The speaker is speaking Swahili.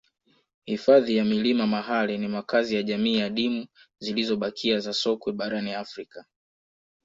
Hifadhi ya milima Mahale ni makazi ya jamii adimu zilizobakia za sokwe barani Afrika